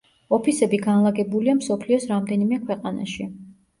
ოფისები განლაგებულია მსოფლიოს რამდენიმე ქვეყანაში.